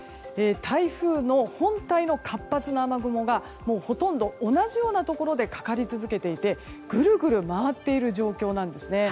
台風の本体の活発な雨雲がほとんど同じようなところでかかり続けていてぐるぐる回っている状況です。